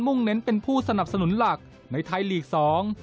่งเน้นเป็นผู้สนับสนุนหลักในไทยลีกสอง